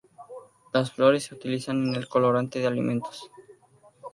Las flores se utilizan en el colorante de alimentos.